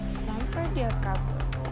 sampai dia kabur